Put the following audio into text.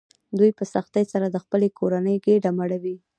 دوی په سختۍ سره د خپلې کورنۍ ګېډه مړوي